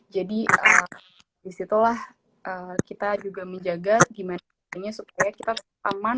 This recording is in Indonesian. jadi di situlah kita juga menjaga gimana gimana supaya kita aman